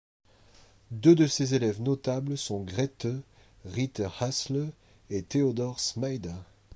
Deux de ses élèves notables sont Grethe Rytter Hasle et Theodore Smayda.